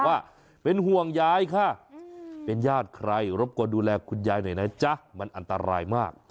ว่าเป็นห่วงยายค่ะเป็นญาติใครรบกวนดูแลคุณยายหน่อยนะจ๊ะมันอันตรายมาก